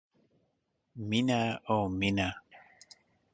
مینه او مننه